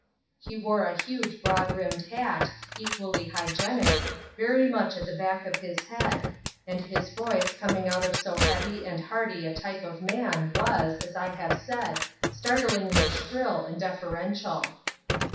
He wore a huge broad brimmed hat, equally hygienic, very much at the back of his head, and his voice coming out of so heavy and hearty a type of man was, as I have said, startlingly shrill and deferential.